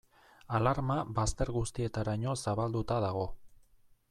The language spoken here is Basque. Alarma bazter guztietaraino zabalduta dago.